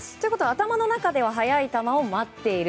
頭の中では速い球を待っている。